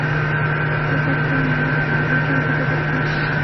موږ باید خپل معلومات د کمپیوټر ژبې ته بدل کړو.